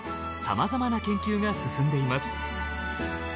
さまざまな研究が進んでいます。